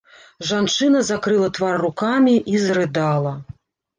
Жанчына закрыла твар рукамі і зарыдала.